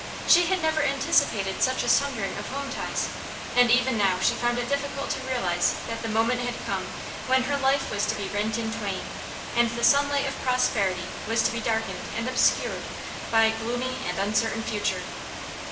She had never anticipated such a sundering of home ties, and even now she found it difficult to realize that the moment had come when her life was to be rent in twain, and the sunlight of prosperity was to be darkened and obscured by a gloomy and uncertain future.